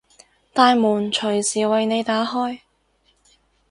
大門隨時為你打開